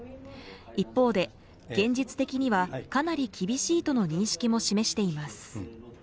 一方で、現実的にはかなり厳しいとの認識も示しています。